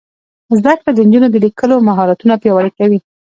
زده کړه د نجونو د لیکلو مهارتونه پیاوړي کوي.